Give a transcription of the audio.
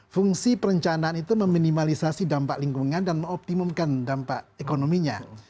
fungsi perencanaan itu meminimalisasi dampak lingkungan dan mengoptimumkan dampak ekonominya